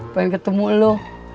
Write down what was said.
pengen ketemu lo